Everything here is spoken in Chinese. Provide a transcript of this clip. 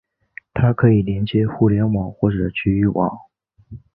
它可以连接互联网或者局域网。